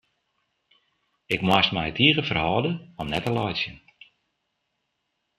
Ik moast my tige ferhâlde om net te laitsjen.